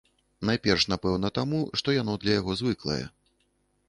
Найперш, напэўна, таму, што яно для яго звыклае.